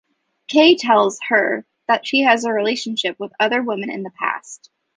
Cay tells her that he has relationships with other women in the past.